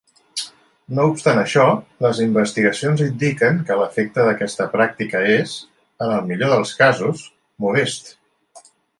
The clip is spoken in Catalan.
No obstant això, les investigacions indiquen que l'efecte d'aquesta pràctica és, en el millor dels casos, modest.